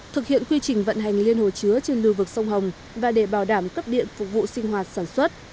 thực hiện quy trình vận hành liên hồ chứa trên lưu vực sông hồng và để bảo đảm cấp điện phục vụ sinh hoạt sản xuất